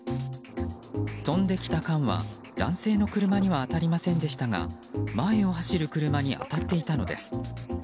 飛んできた缶は男性の車には当たりませんでしたが前を走る車に当たっていたのです。